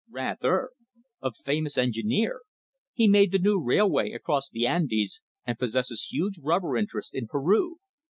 "Rather! A famous engineer. He made the new railway across the Andes, and possesses huge rubber interests in Peru.